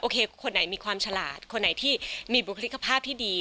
คนไหนมีความฉลาดคนไหนที่มีบุคลิกภาพที่ดี